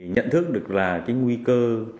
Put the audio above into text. nhận thức được là cái nguy cơ